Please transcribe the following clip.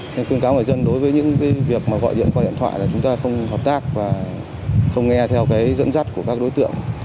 nên khuyên cáo người dân đối với những cái việc mà gọi điện qua điện thoại là chúng ta không hợp tác và không nghe theo cái dẫn dắt của các đối tượng